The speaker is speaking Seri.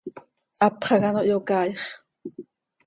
Hapx hac ano hyocaaix.